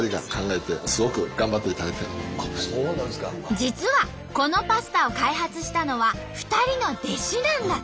実はこのパスタを開発したのは２人の弟子なんだって。